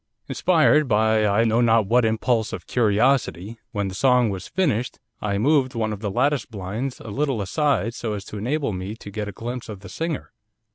'Inspired by I know not what impulse of curiosity, when the song was finished, I moved one of the lattice blinds a little aside, so as to enable me to get a glimpse of the singer.